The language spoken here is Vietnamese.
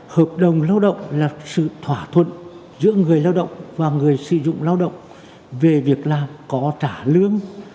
hợp đồng lao động là sự thỏa thuận giữa người lao động và người sử dụng lao động về việc làm có trả lương